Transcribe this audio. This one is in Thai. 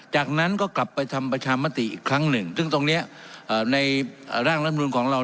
จากนั้นก็กลับไปทำประชามติอีกครั้งหนึ่งซึ่งตรงนี้ในร่างรัฐมนุนของเรา